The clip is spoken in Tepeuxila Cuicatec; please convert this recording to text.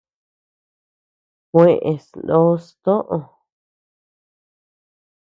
Kues noʼos toʼö.